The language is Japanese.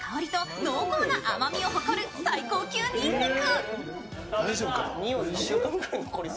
強い香りと濃厚な甘みを誇る最高級にんにく。